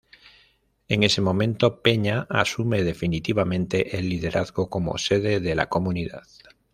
En ese momento, Peña asume definitivamente el liderazgo como sede de la comunidad.